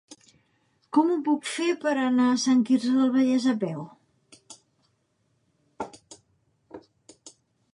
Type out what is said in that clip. Com ho puc fer per anar a Sant Quirze del Vallès a peu?